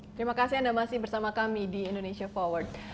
terima kasih anda masih bersama kami di indonesia forward